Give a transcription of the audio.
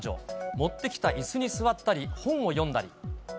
持ってきたいすに座ったり本を読んだり。